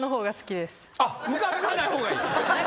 ムカつかない方がいい？